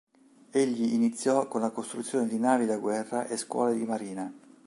Egli iniziò con la costruzione di navi da guerra e scuole di marina.